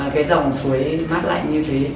cái dòng suối mát lạnh như thế